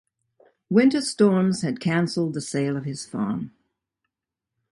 Winter storms had cancelled the sale of his farm.